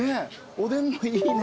おでんもいいね。